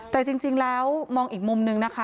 แต่จริงแล้วมองอีกมุมนึงนะคะ